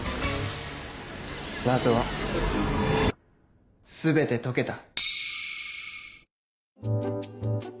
謎は全て解けた。